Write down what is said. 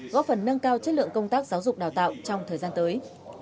góp phần nâng cao chất lượng công tác giáo dục đào tạo trong thời gian tới